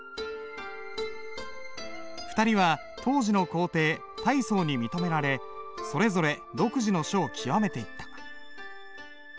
２人は当時の皇帝太宗に認められそれぞれ独自の書を極めていった。